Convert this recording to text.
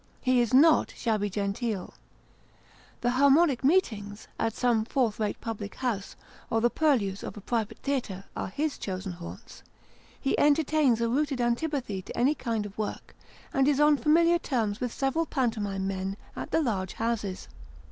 He is not shabby genteel. The " harmonic meetings " at some fourth rate public house, or the purlieus of a private theatre, are his chosen haunts ; he entertains a rooted antipathy to any kind of work, and is on familiar terms with several pantomime men at the large houses.